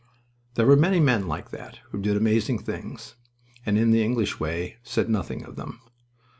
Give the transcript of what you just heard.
There were many men like that who did amazing things and, in the English way, said nothing of them.